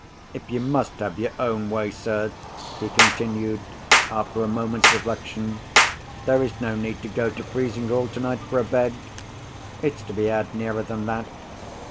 If you must have your own way, sir," he continued, after a moment's reflection, "there is no need to go to Frizinghall tonight for a bed. It's to be had nearer than that.